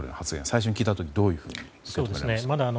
最初に聞いた時どういうふうに感じましたか。